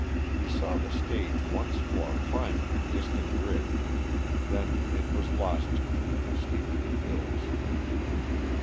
He saw the stage once more climbing a distant ridge; then it was lost to him in the steepening hills.